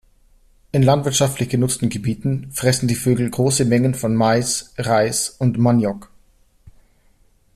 In landwirtschaftlich genutzten Gebieten fressen die Vögel große Mengen von Mais, Reis und Maniok.